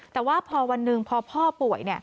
แต่ว่าพอวันหนึ่งพอพ่อป่วย